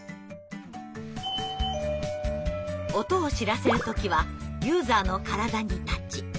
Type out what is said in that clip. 音を知らせる時はユーザーの体にタッチ。